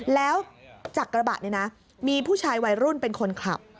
แล้วจากกระบะเนี่ยนะมีผู้ชายวัยรุ่นเป็นคนขับ